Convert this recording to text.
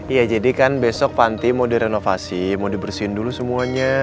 iya jadi kan besok panti mau direnovasi mau dibersihin dulu semuanya